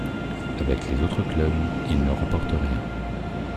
Avec les autres clubs, il ne remporte rien.